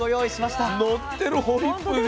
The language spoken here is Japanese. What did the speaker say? のってるホイップが。